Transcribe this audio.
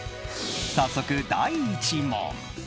早速、第１問。